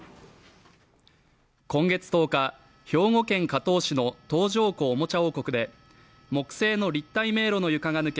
今月１０日兵庫県加東市の東条湖おもちゃ王国で木製の立体迷路の床が抜け